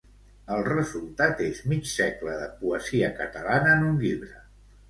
El resultat és mig segle de poesia catalana en un llibre.